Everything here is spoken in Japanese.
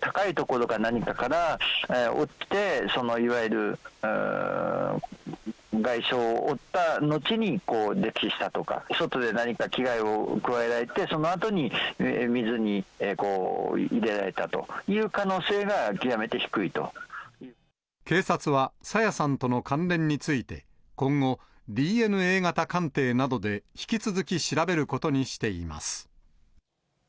高い所かなにかから落ちて、そのいわゆる、外傷を負ったのちに溺死したとか、外で何か危害を加えられて、そのあとに水に入れられたという警察は、朝芽さんとの関連について、今後、ＤＮＡ型鑑定などで引き続き調べることにしています。